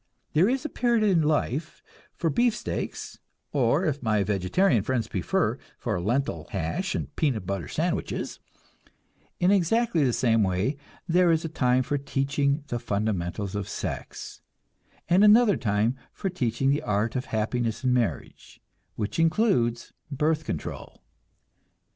There is a period in life for beefsteaks or, if my vegetarian friends prefer, for lentil hash and peanut butter sandwiches; in exactly the same way there is a time for teaching the fundamentals of sex, and another time for teaching the art of happiness in marriage, which includes birth control.